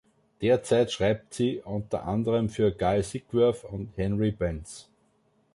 Derzeit schreibt sie unter anderem für Guy Sigsworth und Henry Binns.